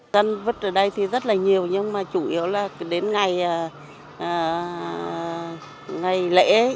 dân vứt ở đây thì rất là nhiều nhưng mà chủ yếu là đến ngày lễ